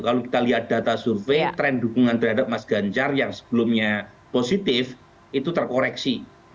kalau kita lihat data survei tren dukungan terhadap mas ganjar yang sebelumnya positif itu terkoreksi